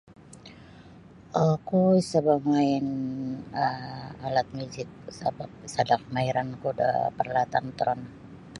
Oku isa bamain um alat muzik sabap sada kamahiranku da paralatan terono